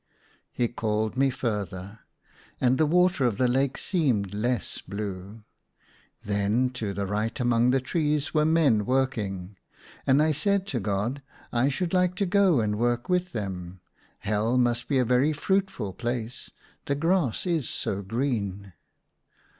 He called me further. And the water of the lake seemed less blue. Then, to the right among the trees were men working. And I said to God, " I should like to go and work with them. Hell must be a very fruitful place, the grass is so green."